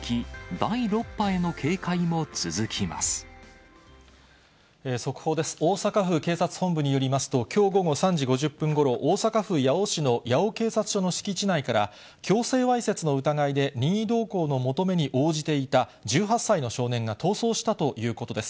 大阪府警察本部によりますと、きょう午後３時５０分ごろ、大阪府八尾市の八尾警察署の敷地内から、強制わいせつの疑いで任意同行の求めに応じていた１８歳の少年が逃走したということです。